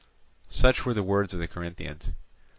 Such were the words of the Corinthians.